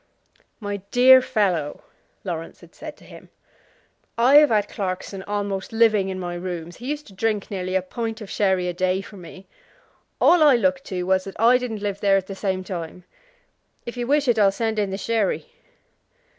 "My dear fellow," Laurence had said to him, "I have had Clarkson almost living in my rooms. He used to drink nearly a pint of sherry a day for me. All I looked to was that I didn't live there at the same time. If you wish it, I'll send in the sherry."